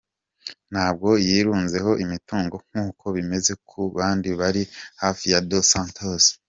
Ntabwo yirunzeho imutungo nk’uko bimeze ku bandi bari hafi ya Dos Santos.